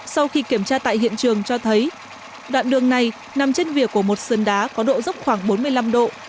sau khi kiểm tra tại hiện trường cho thấy đoạn đường này nằm trên vỉa của một sườn đá có độ dốc khoảng bốn mươi năm độ